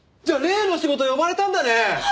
じゃあ例の仕事呼ばれたんだね。